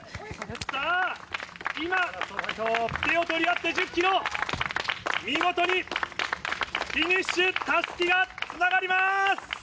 さあ、今、手を取り合って１０キロ、見事にフィニッシュ、たすきがつながります！